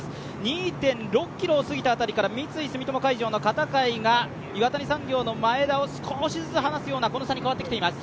２．６ｋｍを過ぎた辺りから三井住友海上の片貝が岩谷産業の前田を少しずつ離すような差に変わってきています。